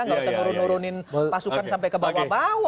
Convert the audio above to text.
nggak usah nurun nurunin pasukan sampai ke bawah bawah